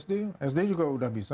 sd sd juga udah bisa